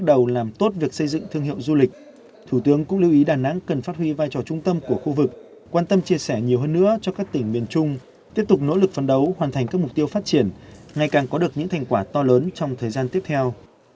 đó là những trung tâm của khu vực quan tâm chia sẻ nhiều hơn nữa cho các tỉnh miền trung tiếp tục nỗ lực phấn đấu hoàn thành các mục tiêu phát triển ngày càng có được những thành quả to lớn trong thời gian tiếp theo